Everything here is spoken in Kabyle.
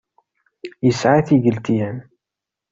Yesɛa tigletyam.